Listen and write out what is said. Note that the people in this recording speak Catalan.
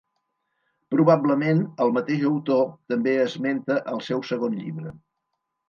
Probablement el mateix autor també esmenta el seu segon llibre.